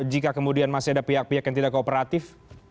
jika kemudian masih ada pihak pihak yang tidak kooperatif